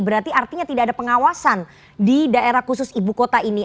berarti artinya tidak ada pengawasan di daerah khusus ibu kota ini